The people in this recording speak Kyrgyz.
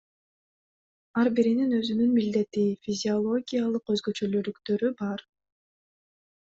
Ар биринин өзүнүн милдети, физиологиялык өзгөчөлүктөрү бар.